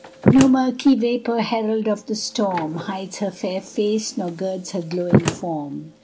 No murky vapor, herald of the storm, Hides her fair face, nor girds her glowing form.